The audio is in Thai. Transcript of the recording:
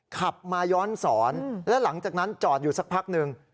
ขับมาย้อนสอนและหลังจากนั้นจอดอยู่สักพักหนึ่ง